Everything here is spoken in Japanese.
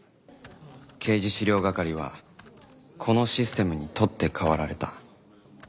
刑事資料係はこのシステムに取って代わられた